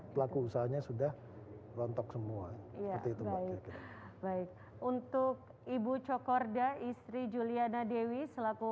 pelaku usahanya sudah rontok semua itu baik untuk ibu cokorda istri juliana dewi selaku